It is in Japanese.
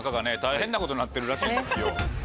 なことになってるらしいんですよ。